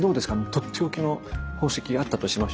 取って置きの宝石があったとしましょうね。